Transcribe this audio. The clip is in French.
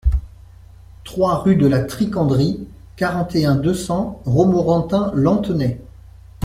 trois rue de la Tricanderie, quarante et un, deux cents, Romorantin-Lanthenay